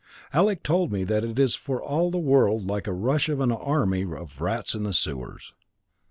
Alec told me that it is for all the world like the rush of an army of rats in the sewers."